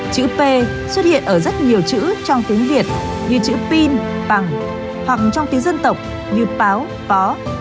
chữ p xuất hiện ở rất nhiều chữ trong tiếng việt như chữ pin bằng hoặc trong tiếng dân tộc như báo pó